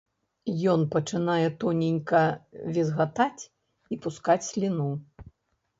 Ён пачынае тоненька візгатаць і пускаць сліну.